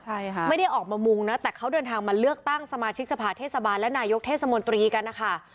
ใช่ค่ะไม่ได้ออกมามุงนะแต่เขาเดินทางมาเลือกตั้งสมาชิกสภาเทศบาลและนายกเทศมนตรีกันนะคะ